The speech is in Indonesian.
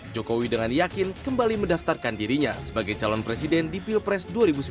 jokowi dengan yakin kembali mendaftarkan dirinya sebagai calon presiden di pilpres dua ribu sembilan belas dua ribu dua puluh empat